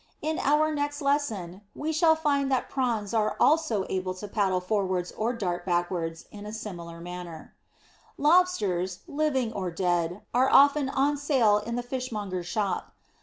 In our next lesson we shall find that Prawns are also able to paddle forwards or dart backwards in a similar way. Lobsters, living and dead, are often on sale in the fishmonger's shop.